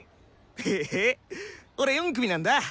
へえ俺４組なんだ。